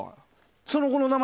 その子の名前